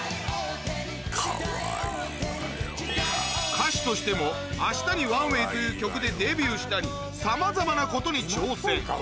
歌手としても『明日に ＯＮＥＷＡＹ』という曲でデビューしたりさまざまなことに挑戦